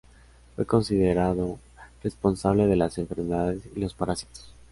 Fue considerado responsable de las enfermedades y los parásitos.